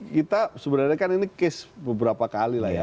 kita sebenarnya kan ini case beberapa kali lah ya